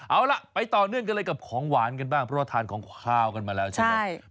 เอาล่ะไปต่อเนื่องกันเลยกับของหวานกันบ้างเพราะว่าทานของขาวกันมาแล้วใช่ไหม